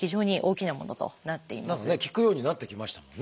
聞くようになってきましたもんね